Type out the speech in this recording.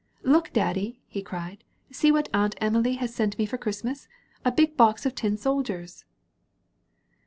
"Look, Daddy," he cried, "see what Aunt Emily has sent me for Christmas — a big box of tin sol diers!"